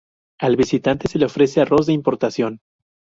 Al visitante se le ofrece arroz de importación.